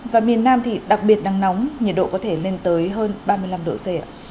và miền nam thì đặc biệt nắng nóng nhiệt độ có thể lên tới hơn ba mươi năm độ c ạ